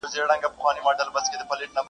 تنورونه له اسمانه را اوریږي -